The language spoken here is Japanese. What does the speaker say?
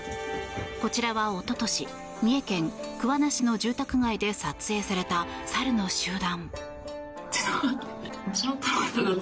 こちらはおととし三重県桑名市の住宅街で撮影された猿の集団。